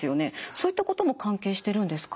そういったことも関係してるんですか？